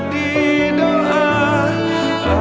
didekat di doa